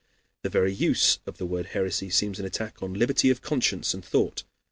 The very use of the word heresy seems an attack upon liberty of conscience and thought.